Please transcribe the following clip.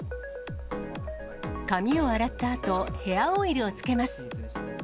髪を洗ったあと、ヘアオイルをつけます。